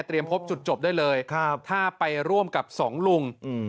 เตรียมพบจุดจบได้เลยถ้าไปร่วมกับสองลุง